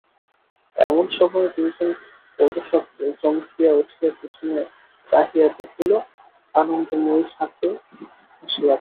এমন সময়ে দুইজনে পদশব্দে চমকিয়া উঠিয়া পিছনে চাহিয়া দেখিল, আনন্দময়ী ছাতে আসিয়াছেন।